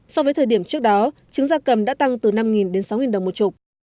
so với thời điểm trước đó trứng ra cầm đã tăng từ năm đến sáu đồng một chục